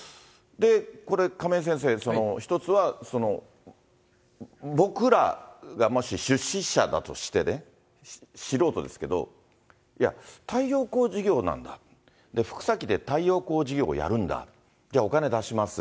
これ、亀井先生、１つは僕らがもし出資者だとしてね、素人ですけど、太陽光事業なんだ、福崎で太陽光事業をやるんだと、お金出します。